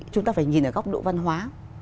chúng ta phải nhìn ở góc độ văn hóa